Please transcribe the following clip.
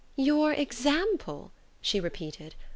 "Your example?" she repeated.